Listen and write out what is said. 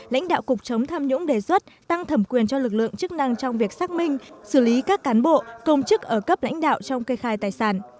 lãnh đạo cục chống tham nhũng đề xuất tăng thẩm quyền cho lực lượng chức năng trong việc xác minh xử lý các cán bộ công chức ở cấp lãnh đạo trong kê khai tài sản